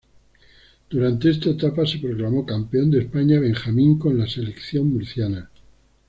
Durante esta etapa se proclamó campeón de España benjamín con la selección murciana.